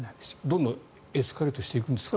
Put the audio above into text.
どんどんエスカレートしていくんですか？